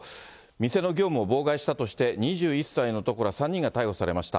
店の業務を妨害したとして、２１歳の男ら３人が逮捕されました。